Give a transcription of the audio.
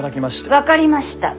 分かりました。